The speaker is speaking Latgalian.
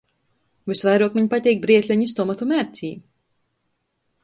Vysvairuok maņ pateik brietlenis tomatu mērcē.